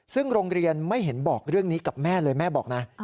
ซึ่งโรงเรียนไม่เห็นบอกเรื่องนี้กับแม่เลยแม่บอกนะ